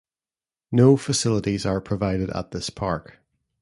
No facilities are provided at this park.